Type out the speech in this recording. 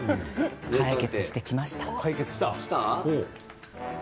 解決してきました。